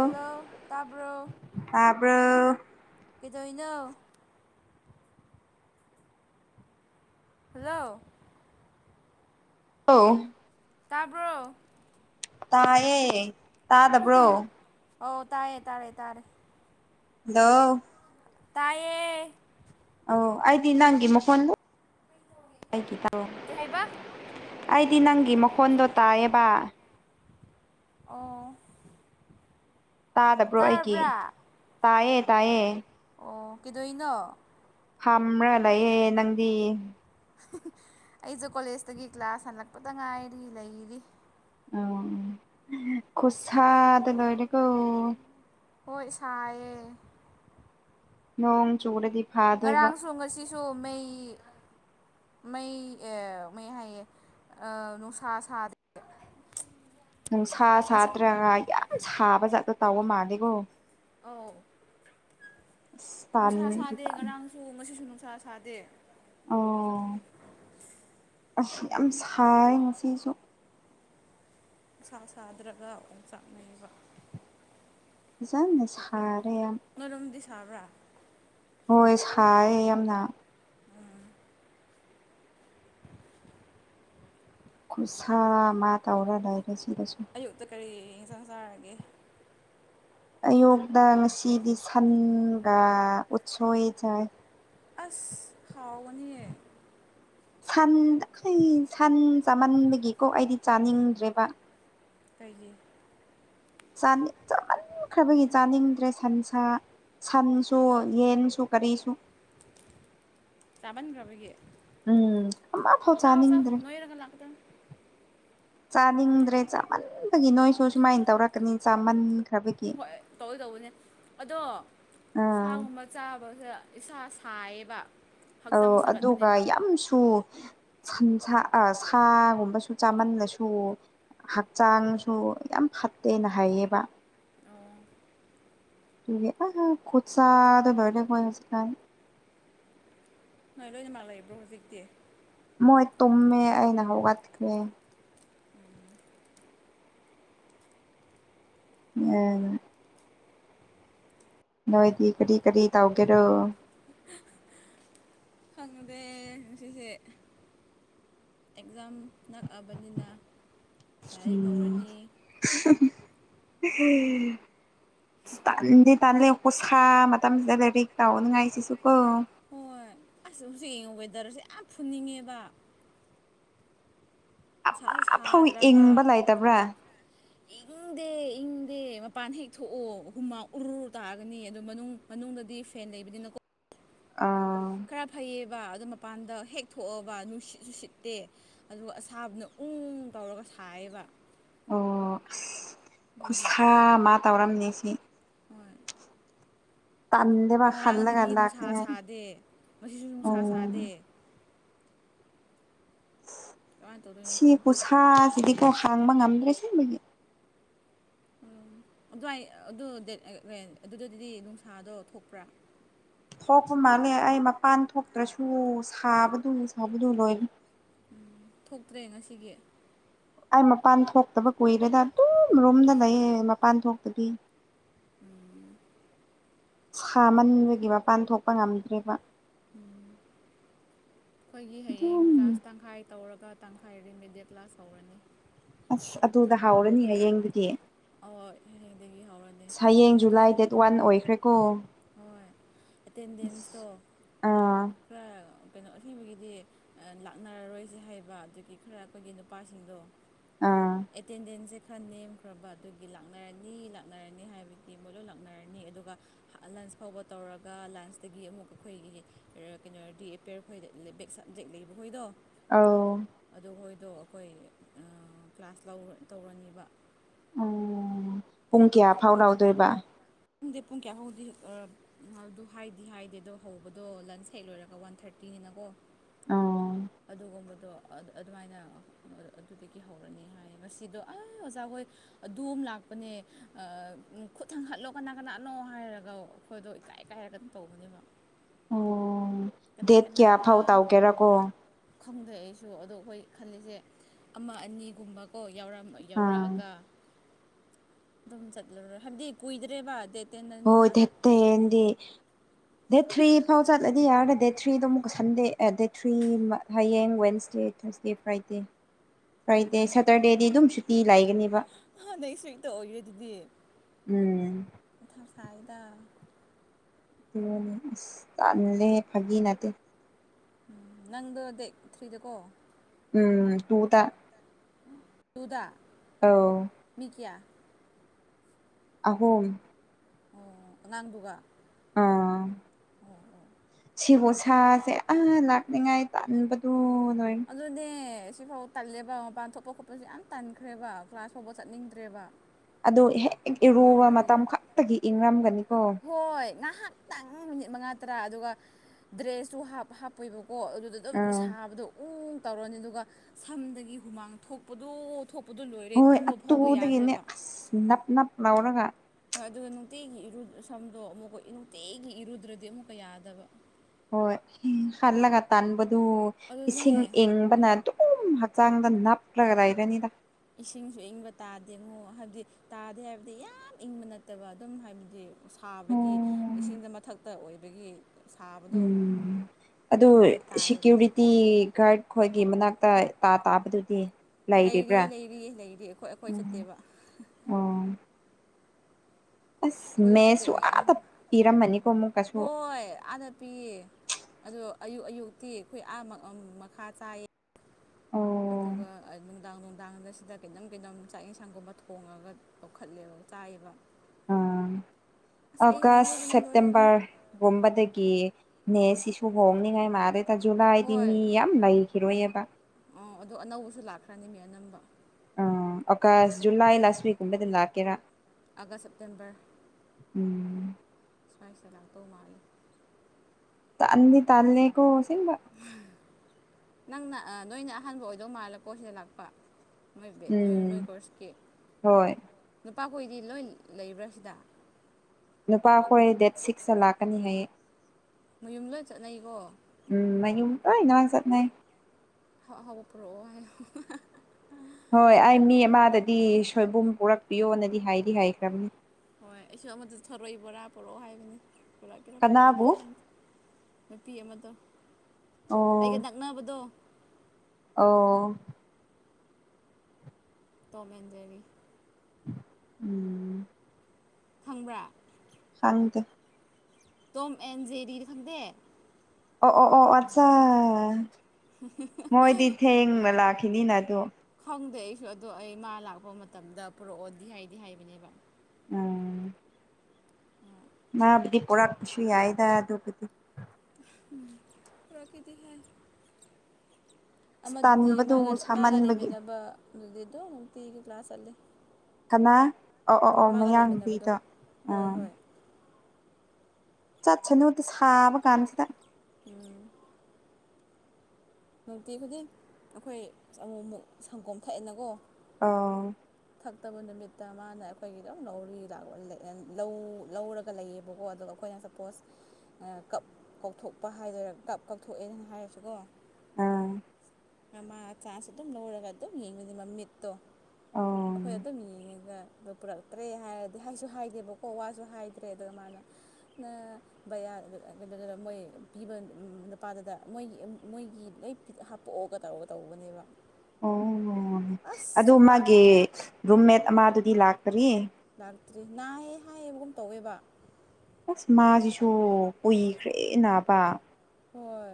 Hello ꯇꯥꯕ꯭ꯔꯣ ꯇꯥꯕꯔꯣ ꯀꯩꯗꯧꯏꯅꯣ ꯍꯜꯂꯣ [unintelligible] ꯇꯥꯕ꯭ꯔꯣ ꯇꯥꯏꯌꯦ ꯇꯥꯗꯕ꯭ꯔꯣ? ꯑꯣ ꯇꯥꯌꯦ ꯇꯥꯔꯦ ꯇꯥꯔꯦ ꯍꯂꯣ ꯇꯥꯏꯌꯦ ꯑꯣ ꯑꯩꯗꯤ ꯅꯪꯒꯤ ꯃꯈꯣꯟ ꯀꯩ ꯍꯥꯏꯕ [inaudible] ꯑꯩꯗꯤ ꯅꯪꯒꯤ ꯃꯈꯣꯟꯗꯣ ꯇꯥꯏꯌꯦꯕ ꯑꯣ ꯇꯥꯗꯕ꯭ꯔꯣ ꯑꯩꯒꯤ ꯇꯥꯔꯕ꯭ꯔꯥ ꯇꯥꯏꯌꯦ ꯇꯥꯏꯌꯦ ꯑꯣ ꯀꯩꯗꯧꯅꯣ ꯐꯝꯃ꯭ꯔꯥ ꯂꯩꯌꯦ ꯅꯪꯗꯤ ꯑꯩꯁꯨ ꯀꯣꯂꯦꯖꯇꯒꯤ ꯀ꯭ꯂꯥꯁ ꯍꯜꯂꯛꯄꯗ ꯉꯥꯏꯔꯤ ꯂꯩꯔꯤ ꯈꯨꯁꯥꯗꯣ ꯂꯣꯏꯔꯦꯀꯣ ꯍꯣꯏ ꯁꯥꯏꯌꯦ ꯅꯣꯡ ꯆꯨꯔꯗꯤ ꯐꯥꯗꯣꯏꯕ ꯉꯔꯥꯡꯁꯨ ꯉꯁꯤꯁꯨ ꯃꯩ ꯃꯩ ꯑꯥ ꯃꯩ ꯍꯥꯏꯌꯦ ꯑꯥ ꯅꯨꯡꯁꯥ ꯁꯥꯗꯦ [inaudible] ꯅꯨꯡꯁꯥ ꯁꯥꯠꯇ꯭ꯔꯒ ꯌꯥꯝ ꯁꯥꯕ ꯖꯥꯠꯇꯣ ꯇꯥꯎꯕ ꯃꯥꯜꯂꯦꯀꯣ ꯑꯧ ꯑꯁ ꯅꯨꯡꯁꯥ ꯇꯥꯟꯗꯤ ꯁꯥꯗꯦ ꯇꯥꯟ ꯉꯔꯥꯡꯁꯨ ꯉꯁꯤꯁꯨ ꯅꯨꯡꯁꯥ ꯁꯥꯗꯦ ꯑꯣ ꯑꯁ ꯌꯥꯝ ꯁꯥꯏ ꯉꯁꯤꯁꯨ ꯅꯨꯡꯁꯥ ꯁꯥꯗ꯭ꯔꯒ ꯑꯣꯝꯆꯥꯛꯅꯩꯕ ꯐꯖꯅ ꯁꯔꯦ ꯌꯥꯝ ꯅꯣꯏꯔꯣꯝꯗꯤ ꯁꯥꯕ꯭ꯔꯥ ꯍꯣꯏ ꯁꯥꯏ ꯌꯥꯝꯅ ꯎꯝ ꯈꯨꯁꯥ ꯑꯃꯥ ꯇꯧꯔ ꯂꯩꯕꯁꯤꯗꯁꯨ ꯑꯌꯨꯛꯇ ꯀꯔꯤ ꯏꯟꯁꯥꯡ ꯆꯥꯔꯛꯒꯦ ꯑꯌꯨꯛꯇ ꯉꯁꯤꯗꯤ ꯁꯟꯒ ꯎꯠꯁꯣꯏ ꯆꯥꯏ ꯑꯁ ꯍꯥꯎꯕꯥꯅꯤ ꯁꯟ ꯑꯩ ꯁꯟ ꯆꯥꯃꯟꯕꯒꯤꯀꯣ ꯑꯩꯗꯤ ꯆꯥꯅꯤꯡꯗ꯭ꯔꯦꯕ ꯀꯩꯒꯤ ꯆꯥꯅꯤꯡ ꯆꯃꯟꯈ꯭ꯔꯕꯒꯤ ꯆꯥꯅꯤꯡꯗ꯭ꯔꯦ ꯁꯟꯁꯥ ꯁꯟꯁꯨ ꯌꯦꯟꯁꯨ ꯀꯔꯤꯁꯨ ꯆꯥꯃꯟꯈ꯭ꯔꯕꯒꯤ ꯎꯝ ꯑꯃꯐꯥꯎ ꯆꯥꯎ ꯆꯥꯎ ꯆꯥꯅꯤꯡꯗ꯭ꯔꯦ ꯅꯣꯏꯔꯒ ꯂꯥꯛꯀꯗꯪ ꯆꯥꯅꯤꯡꯗ꯭ꯔꯦ ꯆꯥꯃꯟꯕꯒꯤ ꯅꯣꯏꯁꯨ ꯁꯨꯃꯥꯏꯅ ꯇꯧꯔꯛꯀꯅꯤ ꯆꯥꯃꯟꯈ꯭ꯔꯕꯒꯤ ꯍꯣꯏ ꯇꯧꯗꯤ ꯇꯧꯕꯅꯦ ꯑꯗꯣ ꯑꯥ ꯁꯥꯒꯨꯝꯕ ꯆꯥꯕꯁꯦ ꯏꯁꯥ ꯁꯥꯏꯌꯦꯕ ꯍꯛꯆꯥꯡ ꯑꯣ ꯑꯗꯨꯒ ꯁꯥꯒꯠꯄꯅꯦꯕ ꯌꯥꯝꯁꯨ ꯁꯟꯁꯥ ꯑꯥ ꯁꯥꯒꯨꯝꯕꯁꯨ ꯆꯥꯃꯜꯂꯁꯨ ꯍꯛꯆꯥꯡꯁꯨ ꯌꯥꯝ ꯐꯠꯇꯦꯅ ꯍꯥꯏꯌꯦꯕ ꯑ [unintelligible] ꯅꯣꯏ ꯂꯣꯏꯅ ꯃꯥꯛ ꯂꯩꯕ꯭ꯔꯣ ꯍꯧꯖꯤꯛꯇꯤ ꯃꯣꯏ ꯇꯨꯝꯃꯦ ꯑꯩꯅ ꯍꯧꯒꯠꯈ꯭ꯔꯦ ꯎ [unintelligible] ꯂꯩꯗ ꯅꯣꯏꯗꯤ ꯀꯔꯤ ꯀꯔꯤ ꯇꯧꯒꯦꯔꯣ ꯈꯪꯗꯦ ꯉꯁꯤꯁꯦ ꯑꯦꯛꯖꯥꯝ ꯅꯛꯑꯕꯅꯤꯅ ꯂꯥꯏꯔꯤꯛ ꯎꯝ ꯍꯧꯔꯅꯤ [unintelligible] ꯇꯥꯟꯗꯤ ꯇꯥꯟꯂꯦ ꯈꯨꯣ ꯁꯥꯥ ꯃꯇꯝꯁꯤꯗ ꯂꯩꯔꯤꯛ ꯇꯧꯅꯉꯥꯏꯁꯤꯁꯨ ꯀꯣ ꯍꯣꯏ ꯑꯁ ꯍꯧꯖꯤꯛ ꯌꯦꯡꯉꯣ ꯋꯦꯗꯔꯁꯦ ꯌꯥꯝ ꯐꯨꯅꯤꯡꯉꯦꯕ ꯑꯃ ꯁꯥꯁꯨ ꯐꯥꯎ ꯁꯥꯗ꯭ꯔꯒ ꯏꯪꯕ ꯂꯩꯇꯕ꯭ꯔꯥ ꯏꯪꯗꯦ ꯏꯪꯗꯦ ꯃꯄꯥꯟ ꯍꯦꯛ ꯊꯣꯛꯑꯣ ꯍꯨꯝꯃ ꯑꯣꯔꯣ ꯇꯥꯒꯅꯤ ꯑꯗꯨ ꯃꯅꯨꯡ ꯃꯅꯨꯡꯗꯗꯤ ꯐꯦꯟ ꯂꯩꯕꯅꯤꯅꯀꯣ ꯑꯥ ꯈꯔ ꯐꯩꯌꯦꯕ ꯑꯗꯣ ꯃꯄꯥꯟꯗ ꯍꯦꯛ ꯊꯣꯛꯑꯕ ꯅꯨꯡꯁꯤꯠꯁꯨ ꯁꯤꯠꯇꯦ ꯑꯗꯨꯒ ꯑꯁꯥꯕꯅ ꯎꯪ ꯇꯧꯔꯒ ꯁꯥꯏꯌꯦꯕ ꯑꯣ ꯑꯁ ꯑꯗꯨꯒꯤ ꯈꯨꯁ ꯃꯥ ꯇꯧꯔꯝꯅꯦ ꯁꯤ ꯍꯣꯏ ꯇꯟꯗꯦꯕ ꯈꯜꯂꯒ ꯉꯔꯥꯡꯗꯒꯤ ꯅꯨꯡꯁꯥ ꯂꯥꯛꯅꯤꯡꯉꯥꯏ ꯁꯥꯗꯦ ꯃꯁꯤꯁꯨ ꯅꯨꯡꯁꯥ ꯁꯥꯗꯦ ꯎꯝ ꯀꯃꯥꯏꯅ ꯇꯧꯗꯣꯏꯅꯣ ꯁꯤ ꯈꯪꯗꯦ ꯈꯨꯁꯥ ꯁꯤꯗꯤꯀꯣ ꯍꯥꯡꯕ ꯉꯝꯗ꯭ꯔꯦ ꯑꯁꯦꯡꯕꯒꯤ ꯎꯝ ꯑꯗꯨꯋꯥꯏ ꯑꯗꯨ ꯗꯦ [unintelligible] ꯑꯗꯨꯗꯗꯤ ꯅꯨꯡꯁꯥꯗꯣ ꯊꯣꯛꯄ꯭ꯔꯥ ꯊꯣꯛꯄ ꯃꯥꯜꯂꯦ ꯑꯩ ꯃꯄꯥꯟ ꯊꯣꯛꯇ꯭ꯔꯁꯨ ꯁꯥꯕꯗꯨ ꯁꯥꯕꯗꯨ ꯂꯣꯏꯔꯦ ꯊꯣꯛꯇ꯭ꯔꯦ ꯉꯁꯤꯒꯤ ꯑꯩ ꯃꯄꯥꯟ ꯊꯣꯛꯇꯕ ꯀꯨꯏꯔꯦꯗ ꯑꯗꯨꯝ ꯔꯨꯝꯗ ꯂꯩꯌꯦ ꯃꯄꯥꯟ ꯊꯣꯛꯇꯕꯤ ꯎꯝ ꯁꯥꯃꯟꯕꯒꯤ ꯃꯄꯥꯟ ꯊꯣꯛꯄ ꯉꯝꯗ꯭ꯔꯦꯕꯥ ꯎꯝ ꯑꯩꯈꯣꯏꯒꯤ ꯍꯌꯦꯡ ꯑꯗꯨꯝ ꯀ꯭ꯂꯥꯁ ꯇꯪꯈꯥꯏ ꯇꯧꯔꯒ ꯇꯪꯈꯥꯏ ꯔꯤꯃꯦꯗꯤꯠ ꯀ꯭ꯂꯥꯁ ꯍꯧꯔꯅꯤ ꯑꯁ ꯑꯗꯨꯗ ꯍꯥꯎꯔꯅꯤ ꯍꯌꯦꯡꯗꯨꯗꯤ ꯍꯣꯏ ꯍꯌꯦꯡ ꯗꯥꯒꯤ ꯍꯧꯔ ꯍꯌꯦꯡ ꯖꯨꯂꯥꯏ ꯗꯦꯠ ꯋꯥꯟ ꯑꯣꯏꯈ꯭ꯔꯦꯀꯣ ꯍꯣꯏ ꯑꯁ ꯑꯦꯇꯦꯟꯗꯦꯟꯁꯇꯣ ꯑꯥ ꯈꯔ ꯀꯩꯅꯣ ꯑꯁꯦꯡꯕꯒꯤꯗꯤ ꯂꯥꯛꯅꯔꯔꯣꯏꯁꯦ ꯍꯥꯏꯕ ꯑꯗꯨꯒꯤ ꯈꯔ ꯑꯩꯈꯣꯏꯒꯤ ꯅꯨꯄꯥꯁꯤꯡꯗꯣ ꯑꯥ ꯑꯦꯇꯦꯟꯗꯦꯟꯁꯁꯦ ꯈꯔ ꯅꯦꯝ ꯈꯔꯕ ꯑꯗꯨꯒꯤ ꯂꯥꯛꯅꯔꯅꯤ ꯂꯥꯛꯅꯔꯅꯤ ꯍꯥꯏꯕꯗꯤ ꯃꯣꯏ ꯂꯣꯏ ꯂꯥꯛꯅꯔꯅꯤ ꯑꯗꯨꯒ ꯂꯟꯁ ꯐꯥꯎꯕ ꯇꯧꯔꯒ ꯂꯟꯁꯇꯒꯤ ꯑꯃꯨꯛ ꯑꯩꯈꯣꯏꯒꯤ ꯀꯩꯅꯣ ꯔꯤꯑꯦꯄꯦꯌꯔ ꯈꯣꯏ ꯕꯦꯛ ꯁꯞꯖꯦꯛ ꯂꯩꯕ ꯈꯣꯏꯗꯣ ꯑꯥꯎ ꯑꯗꯨ ꯍꯣꯏꯗꯣ ꯑꯩꯈꯣꯏ ꯀ꯭ꯂꯥꯁ ꯂꯧ ꯇꯧꯔꯅꯤꯕ ꯎꯝ ꯄꯨꯡ ꯀꯌꯥ ꯐꯥꯎ ꯂꯥꯎꯗꯣꯏꯕ ꯈꯪꯗꯦ ꯄꯨꯡ ꯀꯌꯥ ꯍꯧꯗꯤ ꯑꯥ ꯎ ꯑꯗꯨ ꯍꯥꯏꯗꯤ ꯍꯥꯏꯗꯦ ꯑꯗꯣ ꯍꯧꯕꯗꯣ ꯂꯟꯁ ꯍꯦꯛ ꯂꯣꯏꯔꯒ ꯋꯥꯟ ꯊꯥꯔꯇꯤꯅꯤꯅꯀꯣ ꯑꯥ ꯑꯗꯨꯒꯨꯝꯕꯗꯣ ꯑꯗꯨꯃꯥꯏꯅ ꯑꯗꯨꯗꯒꯤ ꯍꯧꯔꯅꯤ ꯍꯥꯏ ꯉꯁꯤꯗꯣ ꯑꯥꯏ ꯑꯣꯖꯥꯍꯣꯏ ꯑꯗꯨꯝ ꯂꯥꯛꯄꯅꯦ ꯑꯥ ꯈꯨꯠ ꯊꯪ ꯍꯥꯠꯂꯣ ꯀꯅꯥ ꯀꯅꯥꯅꯣ ꯍꯥꯏꯔꯒ ꯑꯩꯈꯣꯏꯗꯣ ꯏꯀꯥꯏ ꯀꯥꯏꯔꯒꯅ ꯇꯧꯕꯅꯦꯕ ꯑꯣ ꯗꯦꯠ ꯀꯌꯥ ꯐꯥꯎ ꯇꯥꯎꯒꯦꯔꯥꯀꯣ ꯈꯪꯗ ꯑꯩꯁꯨ ꯑꯗꯣ ꯈꯣꯏ ꯈꯜꯂꯤꯁꯦ ꯑꯃ ꯑꯅꯤꯒꯨꯝꯕ ꯑꯣ ꯌꯥꯎꯔꯃ ꯑꯥ ꯌꯥꯎꯔꯛꯑꯒ ꯑꯗꯨꯝ ꯆꯠꯂꯔꯣꯏ ꯍꯥꯏꯕꯗꯤ ꯀꯨꯏꯗ꯭ꯔꯦꯕ ꯗꯦꯠ ꯍꯣꯏ ꯇꯦꯟꯗꯅꯤꯅ ꯘꯦꯠ ꯇꯦꯟꯗꯤ ꯗꯦꯠ ꯊ꯭ꯔꯤ ꯐꯥꯎ ꯆꯠꯂꯗꯤ ꯌꯥꯔꯦ ꯗꯦꯠ ꯊ꯭ꯔꯤꯗꯣ ꯑꯃꯨꯛꯀ ꯁꯟꯗꯦ ꯑꯦ ꯗꯦꯠ ꯊ꯭ꯔꯤ ꯍꯌꯦꯡ ꯋꯦꯟꯁꯗꯦ ꯊꯔꯁꯗꯦ ꯐꯔꯥꯏꯗꯦ [inaudible] ꯐ꯭ꯔꯥꯏꯗꯦ ꯁꯇꯔꯗꯦꯗꯤ ꯑꯗꯨꯝ ꯁꯨꯇꯤ ꯂꯩꯒꯅꯤꯕ ꯅꯦꯛꯁ ꯋꯤꯛꯇ ꯑꯣꯏꯔꯦ ꯑꯗꯨꯗꯤ ꯎꯝ ꯃꯊꯥ ꯁꯥꯏꯗ ꯎꯝ ꯑꯁ ꯇꯥꯟꯂꯦ ꯐꯥꯒꯤ ꯅꯠꯇꯦ ꯅꯪꯗꯣ ꯗꯦꯠ ꯊ꯭ꯔꯤꯗꯀꯣ ꯎꯝ ꯇꯨ ꯇꯥ ꯇꯨꯗꯥ ꯑꯥꯎ ꯃꯤ ꯀꯌꯥ ꯑꯍꯨꯝ ꯑꯣ ꯑꯉꯥꯡꯗꯨꯒꯥ ꯑ ꯑꯥ ꯑꯥ ꯁꯤꯕꯣ ꯁꯁꯦ ꯑꯥ ꯂꯥꯛꯅꯤꯡꯉꯥꯏ ꯇꯥꯟꯕꯗꯨ ꯂꯣꯏ ꯑꯗꯨꯅꯦ ꯁꯤꯐꯥꯎ ꯇꯜꯂꯦꯕ ꯃꯄꯥꯟ ꯊꯣꯛꯄ ꯈꯣꯠꯄꯁꯨ ꯌꯥꯝ ꯇꯟꯈ꯭ꯔꯦꯕ ꯀ꯭ꯂꯥꯁ ꯐꯥꯎꯕ ꯆꯠꯅꯤꯡꯗ꯭ꯔꯦꯕ ꯑꯗꯨ ꯍꯦꯛ ꯏꯔꯨꯕ ꯁꯥꯃꯟꯕꯒꯤ ꯃꯇꯝ ꯈꯛꯇꯒꯤ ꯏꯪꯔꯝꯒꯅꯤꯀꯣ ꯍꯣꯏ ꯉꯥꯏꯍꯥꯛꯇꯪ ꯃꯤꯅꯤꯠ ꯃꯉꯥ ꯇꯔꯥ ꯑꯗꯨꯒ ꯗ꯭ꯔꯦꯁꯇꯨ ꯍꯥꯞ ꯍꯥꯞꯄꯣꯏꯕꯀꯣ ꯑꯗꯨꯗ ꯑꯗꯨꯝ ꯑꯥ ꯁꯥꯕꯗꯣ ꯎꯪ ꯇꯧꯔꯅꯤ ꯑꯗꯨꯒ ꯁꯝꯗꯒꯤ ꯍꯨꯃꯥꯡ ꯊꯣꯛꯄꯗꯨ ꯊꯣꯛꯄꯗꯨ ꯂꯣꯏ ꯍꯣꯏ ꯑꯇꯨꯗꯒꯤꯅꯦ ꯑꯁ ꯅꯞ ꯅꯞ ꯂꯧꯔꯒ ꯍꯣꯏ ꯑꯗꯨꯒ ꯅꯨꯡꯇꯤꯒꯤ ꯏꯔꯨ ꯁꯝꯗꯣ ꯑꯃꯨꯛꯀ ꯅꯨꯡꯇꯤꯒꯤ ꯏꯔꯨꯗ꯭ꯔꯗꯤ ꯑꯃꯨꯛꯀ ꯌꯥꯗꯕ ꯍꯣꯏ ꯍꯥꯜꯂꯒ ꯇꯥꯟꯕꯗꯨ ꯏꯁꯤꯡ ꯑꯗꯨꯅꯦ ꯏꯪꯕꯅ ꯗꯨꯝ ꯍꯛꯆꯥꯡꯗ ꯅꯞꯂꯒ ꯂꯩꯔꯅꯤꯗ ꯏꯁꯤꯡꯁꯨ ꯏꯪꯕ ꯇꯥꯗꯦꯃꯨ ꯍꯥꯏꯕꯗꯤ ꯇꯥꯗꯦ ꯍꯥꯏꯕꯗꯤ ꯌꯥꯝ ꯏꯪꯕ ꯅꯠꯇꯕ ꯑꯗꯨꯝ ꯍꯥꯏꯕꯗꯤ ꯁꯥꯕꯒꯤ ꯎꯝ ꯏꯁꯤꯡꯗ ꯃꯊꯛꯇ ꯑꯣꯏꯕꯒꯤ ꯁꯥꯕꯗꯣ ꯎꯝ ꯑꯗꯨ ꯑꯗꯨꯃꯥꯏꯅ ꯇꯥꯏꯌꯦꯕ ꯁꯤꯀ꯭ꯌꯨꯔꯤꯇꯤ ꯒꯔꯗ ꯑꯈꯣꯏꯒꯤ ꯃꯅꯥꯛꯇ ꯇꯥ ꯇꯥꯕꯗꯨꯗꯤ ꯂꯩꯔꯤꯕ꯭ꯔꯥ ꯂꯩꯔꯤꯌꯦ- ꯂꯩꯔꯤꯌꯦ ꯂꯩꯔꯤ ꯑꯩꯈꯣꯏ -ꯑꯩꯈꯣꯏ ꯎꯝ ꯆꯠꯇꯦꯕ ꯑꯣ ꯑꯁ ꯈꯣꯢꯁꯤꯗ ꯃꯦꯁꯁꯨ ꯏ ꯑꯥꯗ ꯄꯤꯔꯝꯃꯅꯤꯀꯣ ꯑꯃꯨꯛꯀꯁꯨ ꯍꯣꯏ ꯑꯥꯅꯠꯇꯤꯌꯦ ꯑꯗꯣ ꯑꯌꯨꯛ ꯑꯌꯨꯛꯇꯤ ꯑꯩꯈꯣꯏ ꯑꯥ ꯃꯥ ꯃꯈꯥ ꯆꯥꯏ ꯑꯣ ꯑꯗꯨꯒ ꯅꯨꯡꯗꯥꯡ ꯅꯨꯡꯗꯥꯡꯗ ꯁꯤꯗ ꯀꯩꯅꯣꯝ -ꯀꯩꯅꯣꯝ ꯆꯥꯛ ꯌꯦꯟꯁꯥꯡꯒꯨꯝꯕ ꯊꯣꯡꯉꯒ ꯀꯧꯈꯠꯂꯦꯕ ꯆꯥꯏꯌꯦꯕ ꯑꯥ ꯑꯁ ꯑꯩꯁꯨ ꯑꯥꯒꯁ ꯅꯣꯏꯕꯅ ꯂꯣꯏꯔꯕꯅꯤ ꯁꯦꯞꯇꯦꯝꯕꯔ ꯒꯨꯝꯕꯗꯒꯤ ꯅꯦꯠ ꯁꯤꯁꯨꯨ ꯍꯣꯡꯅꯤꯡꯉꯥꯏ ꯃꯥꯂꯦ ꯖꯨꯂꯥꯏꯗꯤ ꯍꯣꯏ ꯃꯤ ꯌꯥꯝ ꯂꯩꯈꯤꯔꯣꯏꯌꯦꯕ ꯑꯣ ꯑꯗꯣ ꯑꯅꯧꯕꯁꯨ ꯂꯥꯛꯈ꯭ꯔꯅꯤ ꯃꯤ ꯑꯅꯝꯕ ꯑ ꯑꯥꯒꯁ ꯖꯨꯂꯥꯏ ꯂꯥꯁ ꯋꯤꯛ ꯀꯨꯝꯕꯗ ꯂꯥꯛꯀꯦꯔ ꯑꯥꯒꯁ ꯁꯦꯞꯇꯦꯝꯕꯔ ꯎꯝ ꯁ꯭ꯋꯥꯏꯁꯤꯗ ꯂꯥꯛꯇꯧꯕ ꯃꯥꯜꯂꯤ ꯇꯟꯗꯤ ꯇꯥꯜꯅꯤꯀꯣ ꯑꯁꯦꯡꯕ ꯅꯪꯅ ꯑ ꯅꯣꯏꯅ ꯑꯍꯥꯟꯕ ꯑꯣꯏꯗꯧ ꯃꯥꯜꯂꯦꯀꯣ ꯁꯤꯗ ꯂꯥꯛꯄ ꯃꯣꯏ ꯕꯦ ꯅꯣꯏ ꯎꯝ ꯅꯣꯏ ꯀꯣꯔꯦꯁꯀꯤ ꯍꯣꯏ ꯅꯨꯄꯥꯈꯣꯏꯗꯤ ꯂꯣꯏ ꯂꯩꯕ꯭ꯔꯥ ꯁꯤꯗ ꯅꯨꯄꯥ ꯈꯣꯏ ꯗꯦꯠ ꯁꯤꯛꯁꯇ ꯂꯥꯛꯀꯅꯤ ꯍꯥꯏꯌꯦ ꯃꯌꯨꯝ ꯂꯣꯏ ꯆꯠꯅꯩꯀꯣ ꯎꯝ ꯃꯌꯨꯝ ꯂꯣꯏ ꯂꯣꯏ ꯆꯠꯅꯩ ꯈꯔ ꯑꯍꯥꯎꯕ ꯄꯔꯛꯑꯣ ꯍꯥꯏꯌꯣ ꯍꯣꯏ ꯑꯩ ꯃꯤ ꯑꯃꯗꯗꯤ ꯁꯣꯏꯕꯨꯝ ꯄꯔꯛꯄꯤꯌꯣꯅꯗꯤ ꯍꯥꯏꯗꯤ ꯍꯥꯏꯈ꯭ꯔꯕꯅꯤ ꯍꯣꯏ ꯑꯩꯁꯨ ꯑꯃꯗ ꯊꯔꯣꯏ ꯕꯣꯔꯥ ꯄꯣꯔꯛꯑꯣ ꯍꯥꯏꯕꯅꯤ ꯄꯣꯔꯛꯀꯦꯔꯥ ꯀꯅꯥꯕꯨ ꯄꯣꯔꯛꯑꯣꯏꯒꯦꯔꯥ ꯈꯪꯗꯦ ꯅꯨꯄꯤ ꯑꯃꯗꯣ ꯑꯩꯒ ꯑꯣ ꯅꯛꯅꯕꯗꯣ ꯑꯣ ꯇꯣꯝ ꯑꯦꯟ ꯖꯦꯔꯤ ꯎꯝ ꯈꯪꯕ꯭ꯔꯥ ꯍꯥꯡꯗꯦ ꯇꯣꯝ ꯑꯦꯟ ꯖꯦꯔꯤꯗꯨ ꯈꯪꯗꯦ ꯑꯣ ꯑꯣ ꯑꯣ ꯑꯠꯆꯥꯥ ꯃꯣꯏꯗꯤ ꯊꯦꯡꯅ ꯂꯥꯛꯈꯤꯅꯤꯅ ꯑꯗꯣ ꯈꯪꯗꯦ ꯑꯩꯁꯨ ꯑꯗꯣ ꯑꯩ ꯃꯥ ꯂꯥꯛꯄ ꯃꯇꯝꯗ ꯄꯨꯔꯛꯑꯣꯗꯤ ꯍꯥꯏꯗꯤ ꯍꯥꯏꯕꯅꯦꯕ ꯎꯝ ꯎꯝ ꯃꯥꯕꯨꯗꯤ ꯄꯨꯔꯛꯄꯁꯨ ꯌꯥꯏꯗ ꯑꯗꯨꯕꯨꯗꯤ ꯎꯝ ꯄꯨꯔꯛꯀꯤꯇꯤ ꯍꯦ ꯑꯁ ꯑꯃꯗꯨꯗꯤ ꯇꯟꯕꯗꯨ ꯃꯥꯒ ꯃꯥꯒ ꯁꯥꯃꯟꯕꯒꯤ ꯂꯩꯃꯤꯟꯅꯕꯗꯨꯗꯤ ꯗꯨꯝ ꯅꯨꯡꯇꯤꯒꯤ ꯀ꯭ꯂꯥꯁ ꯆꯠꯂꯦ ꯀꯅꯥ ꯑꯣ ꯑꯣ ꯑꯣ ꯃꯥꯒ ꯂꯩꯃꯤꯟꯅꯕꯗꯣ ꯃꯌꯥꯡꯕꯤꯗꯣ ꯍꯣꯏ ꯑꯥ ꯍꯣꯏ ꯆꯠꯁꯅꯨꯗ ꯁꯥꯕ ꯀꯥꯟꯁꯤꯗ ꯎꯝ ꯅꯨꯡꯇꯤ ꯈꯨꯗꯤꯡ ꯑꯩꯈꯣꯏ ꯑꯃꯨꯛ ꯃꯨꯛ ꯁꯪꯒꯣꯝ ꯊꯛꯑꯦꯅꯀꯣ ꯑꯣ ꯊꯛꯇꯕ ꯅꯨꯃꯤꯠꯇ ꯃꯥꯅ ꯑꯩꯈꯣꯏꯒꯤ ꯑꯗꯨꯝ ꯂꯧꯔꯤ ꯂꯥꯎꯔꯥ ꯂꯩꯌꯦ ꯂꯧ ꯂꯧꯔꯒ ꯂꯩꯌꯦꯕꯀꯣ ꯑꯗꯨꯒ ꯈꯣꯏꯅ ꯁꯄꯣꯁ ꯑꯥ ꯀꯞ ꯀꯧꯊꯣꯛꯄ ꯍꯥꯏꯗꯣꯏꯔꯥ ꯀꯞ ꯀꯧꯊꯣꯛꯑꯦꯅ ꯍꯥꯏꯔꯁꯨꯀꯣ ꯑꯥ ꯑꯥ ꯃꯥ ꯆꯥꯟꯁ ꯑꯗꯨꯝ ꯂꯧꯔꯒ ꯑꯗꯨꯝ ꯌꯦꯡꯕꯅꯤ ꯃꯃꯤꯠꯇꯣ ꯑꯣ ꯑꯩꯈꯣꯏ ꯑꯗꯨꯝ ꯌꯦꯡꯉꯒ ꯑꯗꯣ ꯄꯨꯔꯛꯇ꯭ꯔꯦ ꯍꯥꯏꯔꯗꯤ ꯍꯥꯏꯁꯨ ꯍꯥꯏꯗꯦꯕꯀꯣ ꯋꯥꯁꯨ ꯍꯥꯏꯗ꯭ꯔꯦ ꯑꯗꯨ ꯃꯥꯅ ꯅ ꯚꯩꯌꯥ ꯑꯗꯨ ꯗꯨ ꯗꯨ ꯗꯨ ꯃꯣꯏ ꯄꯤꯕ ꯅꯨꯄꯥꯗꯨꯗ ꯃꯣꯏ ꯃꯣꯏꯒꯤ ꯅꯣꯏ ꯐꯤꯠ ꯍꯥꯞꯄꯛꯑꯣꯒ ꯇꯧ ꯇꯧꯕꯅꯦꯕ ꯑꯣ ꯑꯣ ꯑꯁ ꯑꯗꯨ ꯁꯂꯥꯛ ꯃꯥꯒꯤ ꯔꯨꯝꯃꯦꯠ ꯑꯃꯗꯨꯗꯤ ꯂꯥꯛꯇꯔꯤ ꯂꯥꯛꯇ꯭ꯔꯤ ꯅꯥꯏꯑꯦ ꯍꯥꯏꯌꯦꯕꯒꯨꯝ ꯇꯧꯋꯦꯕ ꯑꯁ ꯃꯥꯖꯤꯁꯨ ꯀꯨꯏꯈ꯭ꯔꯦ ꯅꯥꯕ ꯍꯣꯏ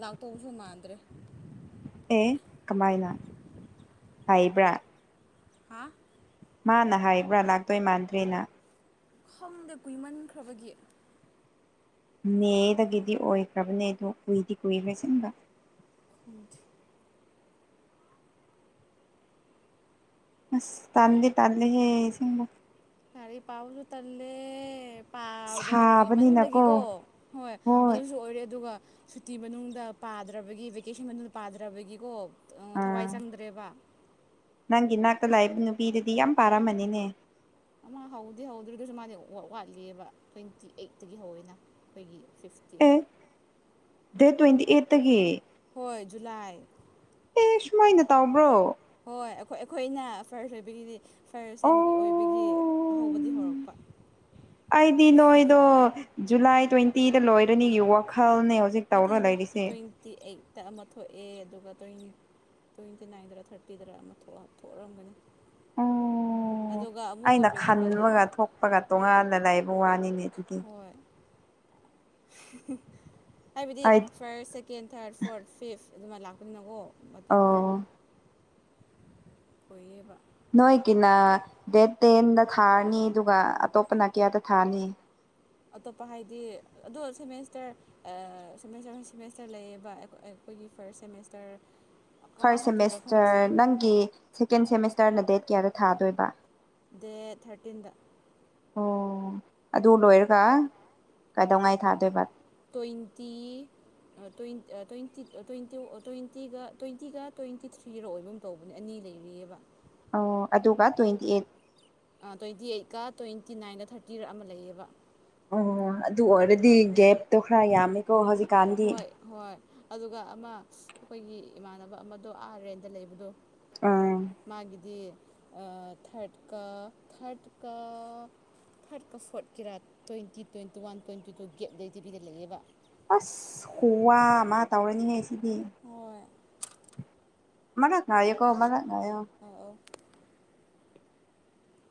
ꯂꯥꯛꯇꯧꯕꯁꯨ ꯃꯥꯟꯗ꯭ꯔꯦ ꯑꯦ ꯀꯃꯥꯏꯅ ꯍꯥꯏꯕ꯭ꯔꯥ ꯍꯥꯥ ꯃꯥꯅ ꯍꯥꯏꯕ꯭ꯔꯥ ꯂꯥꯛꯇꯣꯏ ꯃꯥꯟꯗ꯭ꯔꯦꯅ ꯈꯝꯗꯦ ꯀꯨꯏꯃꯟꯈ꯭ꯔꯕꯒꯤ ꯃꯦꯗꯒꯤꯗꯤ ꯑꯣꯏꯈ꯭ꯔꯕꯅꯦ ꯑꯗꯣ ꯀꯨꯏꯗꯤ ꯀꯨꯏꯈ꯭ꯔꯦ ꯑꯁꯤꯟꯕ [unintelligible] ꯑꯁ ꯇꯟꯗꯤ ꯇꯟꯂꯦꯍꯦ ꯑꯁꯦꯡꯕ ꯂꯥꯏꯔꯤꯛ ꯄꯥꯕꯁꯨ ꯇꯜꯂꯦ ꯄꯥꯕꯗꯕ ꯁꯥꯕꯅꯤꯅꯀꯣ ꯀꯨꯏꯃꯟꯕꯒꯤꯀꯣ ꯍꯣꯏ ꯑꯗꯨꯁꯨ ꯑꯣꯏꯔꯦ ꯑꯗꯨꯒ ꯁꯨꯇꯤ ꯃꯅꯨꯡꯗ ꯄꯥꯗ꯭ꯔꯕꯒꯤ ꯚꯦꯀꯦꯁꯟ ꯃꯅꯨꯡꯗ ꯄꯥꯗ꯭ꯔꯕꯒꯤꯒꯣ ꯑꯥ ꯊꯋꯥꯏ ꯆꯪꯗ꯭ꯔꯦꯕ ꯅꯪꯒꯤ ꯅꯥꯛꯇ ꯂꯩꯕ ꯅꯨꯄꯤꯗꯨꯗꯤ ꯌꯥꯝ ꯄꯥꯔꯝꯃꯅꯤꯅꯦ ꯑꯃ ꯍꯧꯗꯦ ꯍꯧꯗ꯭ꯔꯥꯒ꯭ꯔꯥꯁꯨ ꯃꯥꯗꯤ ꯋꯥ ꯋꯥ ꯋꯥꯠꯂꯤꯑꯦꯕ ꯇ꯭ꯋꯦꯟꯇꯤ ꯑꯩꯠꯇꯒꯤ ꯍꯧꯋꯦꯅ ꯑꯩꯈꯣꯏꯒꯤ ꯐꯤꯐꯇ ꯑꯦ ꯗꯦꯠ ꯇ꯭ꯋꯦꯟꯇꯤ ꯑꯩꯠꯇꯒꯤ ꯍꯣꯏ ꯖꯨꯂꯥꯏ ꯑꯦ ꯁꯨꯃꯥꯏꯅ ꯇꯧꯕ꯭ꯔꯣ ꯍꯣꯏ ꯑꯩꯈꯣꯏ ꯑꯩꯈꯣꯏꯅ ꯐꯔꯁ ꯑꯣꯏꯕꯒꯤꯗꯤ ꯐꯔꯁ ꯁꯦꯝ ꯑꯣ ꯑꯣꯏꯕꯒꯤ ꯑꯍꯧꯕꯗꯤ ꯍꯧꯔꯛꯄ ꯑꯩꯗꯤ ꯅꯣꯏꯗꯣ ꯖꯨꯂꯥꯏ ꯇ꯭ꯋꯦꯟꯇꯤꯗ ꯂꯣꯏꯔꯅꯤꯒꯤ ꯋꯥꯈꯜꯅꯦ ꯍꯧꯖꯤꯛ ꯇꯧꯔ ꯂꯩꯔꯤꯁꯦ ꯇꯤ ꯑꯩꯠꯇ ꯑꯃ ꯊꯣꯛꯑꯦ ꯑꯗꯨꯒ ꯇ꯭ꯋꯦꯟ ꯇ꯭ꯋꯦꯟꯇꯤ ꯅꯥꯏꯟꯗꯔ ꯊꯥꯔꯇꯤꯗꯔ ꯑꯃ ꯊꯣꯛꯑꯝ ꯊꯣꯛꯔꯝꯒꯅꯤ ꯑꯣ ꯑꯩꯅ ꯈꯟꯕꯒ ꯊꯣꯛꯄꯒ ꯇꯣꯉꯥꯟꯅ ꯂꯩꯕꯩ ꯋꯥꯅꯤꯅꯦ ꯑꯗꯨꯗꯤ ꯍꯣꯏ ꯍꯥꯏꯕꯗꯤ ꯑꯩ first second third fourth fifth ꯑꯗꯨꯃꯥꯏ ꯂꯥꯛꯄꯅꯤꯅꯒꯣ ꯃꯇꯝꯗꯣ ꯑꯣ ꯀꯨꯏꯌꯦꯕ ꯅꯣꯏꯒꯤꯅ ꯗꯦꯠ ꯇꯦꯟꯗ ꯊꯥꯔꯅꯤ ꯑꯗꯨꯒ ꯑꯇꯣꯞꯄꯅ ꯀꯌꯥꯗ ꯊꯥꯔꯅꯤ ꯑꯇꯣꯞꯄ ꯍꯥꯏꯗꯤ ꯑꯗꯣ ꯁꯦꯃꯦꯁꯇꯔ ꯑꯥ ꯁꯦꯃꯦꯁꯇꯔ ꯁꯦꯃꯦꯁꯇꯔ ꯂꯩꯌꯦꯕ ꯑꯩꯈꯣ ꯑꯩꯈꯣꯏꯒꯤ ꯐꯥꯔꯁ ꯁꯦꯃꯦꯁꯇꯔ ꯀꯃꯥꯏꯅ ꯐꯥꯔꯁ ꯍꯥꯏꯗꯣꯏꯔꯣ ꯈꯪꯗꯦ ꯁꯦꯃꯦꯁꯇꯔ ꯅꯪꯒꯤ ꯁꯦꯀꯦꯟ ꯁꯦꯃꯦꯁꯇꯔꯅ ꯗꯦꯠ ꯀꯌꯥꯗ ꯊꯥꯗꯣꯏꯕ ꯗꯦꯠ ꯊꯥꯔꯇꯤꯟꯗ ꯑꯣ ꯑꯗꯨ ꯂꯣꯏꯔꯒ ꯀꯩꯗꯧꯉꯩ ꯊꯥꯗꯣꯏꯕ ꯇ꯭ꯋꯦꯟꯇꯤ ꯑꯥ ꯇ꯭ꯋꯦꯟ ꯑꯥ ꯇ꯭ꯋꯦꯟꯇꯤ ꯑꯥ ꯇ꯭ꯋꯦꯟꯇꯤ ꯑꯥ ꯇ꯭ꯋꯦꯟꯇꯤꯒ ꯇ꯭ꯋꯦꯟꯇꯤꯒ ꯇ꯭ꯋꯦꯟꯇꯤ ꯊ꯭ꯔꯤꯔꯣ ꯑꯣꯏꯕꯒꯨꯝ ꯇꯧꯕꯅꯦ ꯑꯅꯤ ꯂꯩꯔꯤꯌꯦꯕ ꯑꯣ ꯑꯗꯨꯒ ꯇ꯭ꯋꯦꯟꯇꯤ ꯑꯩꯠ ꯑꯥ ꯇ꯭ꯋꯦꯟꯇꯤ ꯑꯩꯠꯀ ꯇ꯭ꯋꯦꯟꯇꯤ ꯅꯥꯏꯟꯒ ꯊꯥꯔꯇꯤꯔꯥ ꯑꯃ ꯂꯩꯌꯦꯕ ꯑꯣ ꯑꯗꯨ ꯑꯣꯏꯔꯗꯤ ꯒꯦꯞꯇꯣ ꯈꯔ ꯌꯥꯝꯃꯦꯀꯣ ꯍꯧꯖꯤꯛ ꯍꯣꯏ꯫ ꯍꯣꯏ ꯑꯗꯨꯒ ꯑꯃ ꯑꯈꯣꯏꯒꯤ ꯏꯃꯥꯟꯅꯕ ꯑꯃꯗꯣ ꯑꯥ ꯔꯦꯟꯗ ꯂꯩꯕꯗꯣ꯫ ꯑꯥ ꯃꯥꯒꯤꯗꯤ ꯊꯔꯠꯀ ꯊꯔꯠꯀ, ꯊꯥꯔꯠꯀ ꯐꯣꯔꯠꯀꯤꯔꯥ twenty twenty one twenty two gap ꯂꯩ ꯇꯤꯕꯤꯗ ꯂꯩꯌꯦꯕ꯫ ꯑꯁ ꯈꯨꯋꯥ ꯑꯃ ꯇꯧꯔꯅꯤ ꯍꯦ ꯁꯤꯗꯤ꯫ ꯍꯣꯏ꯫ ꯃꯅꯥ ꯅꯥꯏꯌꯦꯀꯣ ꯃꯅꯥ ꯅꯥꯏꯌꯦꯀꯣ꯫ ꯑꯥ ꯑꯥꯎ꯫